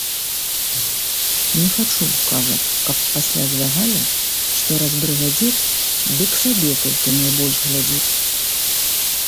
Не хачу, кажа, каб пасля звягалі, што раз брыгадзір, дык сабе толькі найбольш глядзіць.